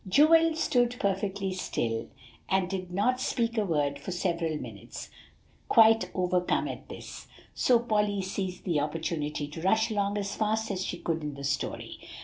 Joel stood perfectly still, and did not speak a word for several minutes, quite overcome at this. So Polly seized the opportunity to rush along as fast as she could in the story.